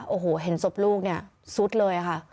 โอ้โหเห็นศพลูกเนี่ยซุดเลยค่ะ